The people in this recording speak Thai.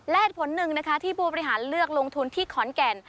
แลดผลหนึ่งที่ผู้ประหารเลือกลงทุนที่ขอนแก่น